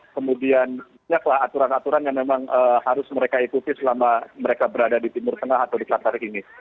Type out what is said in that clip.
kemudian banyaklah aturan aturan yang memang harus mereka ikuti selama mereka berada di timur tengah atau di qatar ini